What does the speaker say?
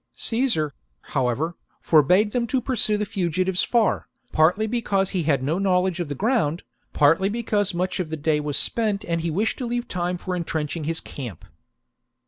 Caesar, however, forbade them to pursue the fugitives far, partly because he had no knowledge of the ground, partly because much of the day was spent and he wished to leave time for entrenching his camp.